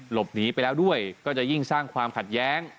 หลบหนีไปแล้วด้วยก็จะยิ่งสร้างความขัดแย้ง